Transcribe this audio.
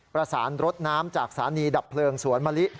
ประสานรถน้ำจากสถานีดับเพลิงสวนมะลิ